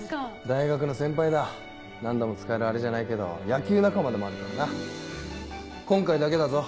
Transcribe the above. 大学の先輩だ何度も使えるアレじゃないけど野球仲間でもあるからな今回だけだぞ。